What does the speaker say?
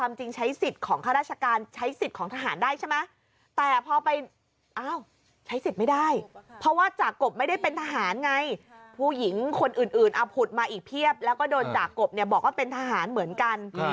มาอีกเมื่อกี๊เปรียบแล้วเป็นจากกบเป็นทหารเหมือนกัน